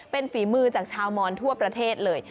เป็นฝีมือจากชาวมอนทั่วประเทศเลย